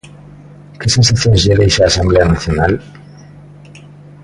Que sensacións lle deixa a Asemblea Nacional?